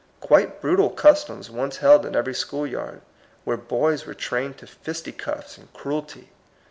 Quite brutal customs once held in every school yard, where boys were trained to fisticuffs and cruelty.